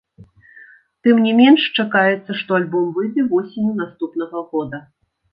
Тым не менш чакаецца, што альбом выйдзе восенню наступнага года.